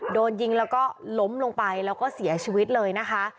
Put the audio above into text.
โดนยิงแล้วก็ล้มลงไปแล้วก็เสียชีวิตเลยนะคะ